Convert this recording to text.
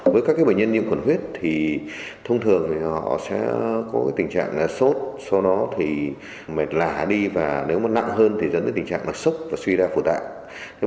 với các bệnh nhân nhiễm khuẩn huyết thì thông thường họ sẽ có tình trạng là sốt sau đó thì mệt lả đi và nếu mà nặng hơn thì dẫn đến tình trạng là sốc và suy ra phụ tạng